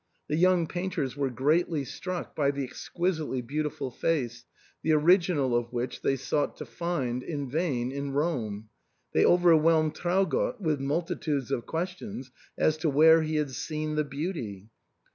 The young painters were greatly struck by the exquisitely beautiful face, the original of which they in vain sought to find in Rome ; they overwhelmed Traugott with multitudes of questions as to where he had seen the beauty.